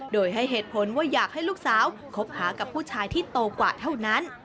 โดยให้เหตุผลว่าอยากให้ลูกสาวคบหากับผู้ชายที่โตกว่าเท่านั้น